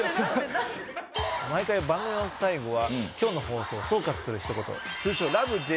毎回番組の最後は今日の放送を総括するひと言通称ラブ！！